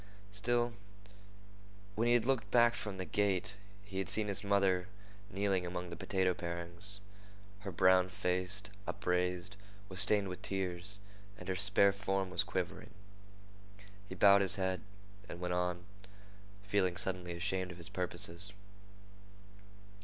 Still, when he had looked back from the gate, he had seen his mother kneeling among the potato parings. Her brown face, upraised, was stained with tears, and her spare form was quivering. He bowed his head and went on, feeling suddenly ashamed of his purposes.